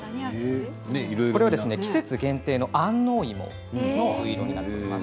これは季節限定の安納芋のういろうになっています。